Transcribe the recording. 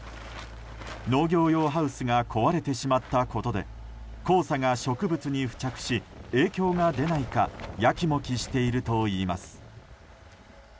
農業用ハウスが壊れてしまったことで黄砂が植物に付着し影響が出ないかやきもきしているといいます。